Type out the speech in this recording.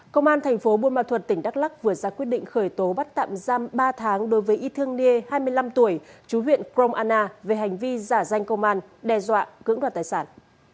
công an thành phố buôn ma thuật tỉnh đắk lắc vừa ra quyết định khởi tố bắt tạm giam ba tháng đối với y thương niê hai mươi năm tuổi chú huyện krong anna về hành vi giả danh công an đe dọa cưỡng đoạt tài sản